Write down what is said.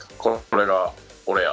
これが俺や！